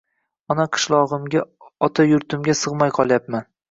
Ona qishlog‘imga ota yurtimga sig‘may qolyapman